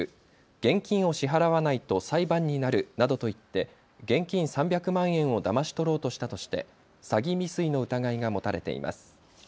現金を支払わないと裁判になるなどと言って現金３００万円をだまし取ろうとしたとして詐欺未遂の疑いが持たれています。